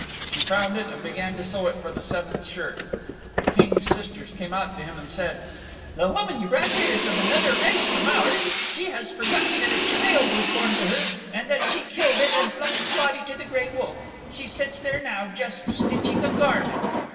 She found it and began to sew it for the seventh shirt. The King's sisters came to him and said, "The woman you brought here is of another race from ours. She has forgotten that a child was born to her, and that she killed it and flung its body to the gray wolf. She sits there now just stitching a garment."